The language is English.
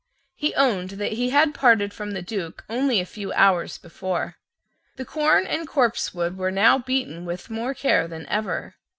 He owned that he had parted from the Duke only a few hours before. The corn and copsewood were now beaten with more care than ever.